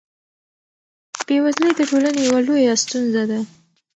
بېوزلي د ټولنې یوه لویه ستونزه ده.